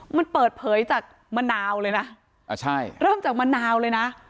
มันเปิดเผยจากมะนาวเลยนะอ่าใช่เริ่มจากมะนาวเลยนะ